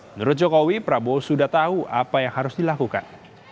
menurut jokowi prabowo sudah tahu apa yang harus dilakukan